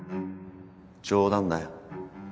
冗談だよ